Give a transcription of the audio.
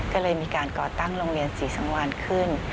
ก็เลยมีการก่อตั้งโรงเรียนศรีสังวานขึ้น